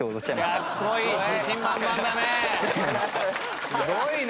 すごいね！